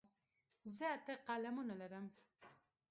زه اته قلمونه لرم.